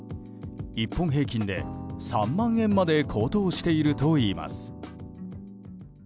１本平均で３万円まで高騰しているといいます。